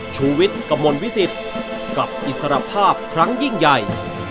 ชูวิทย์กระมวลวิสิตกับอิสรภาพครั้งยิ่งใหญ่